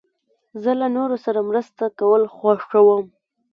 زه له نورو سره مرسته کول خوښوم.